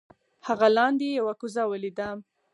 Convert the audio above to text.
هغه لاندې یو کوزه ولیده.